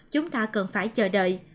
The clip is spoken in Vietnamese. chúng ta cần phải chờ đợi